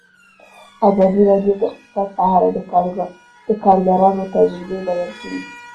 ازادي راډیو د اقتصاد په اړه د کارګرانو تجربې بیان کړي.